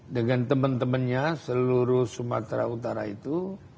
dengan teman temannya seluruh sumatera utara itu